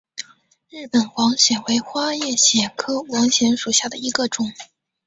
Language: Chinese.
日本网藓为花叶藓科网藓属下的一个种。